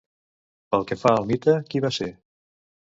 Pel que fa al mite, qui va ser?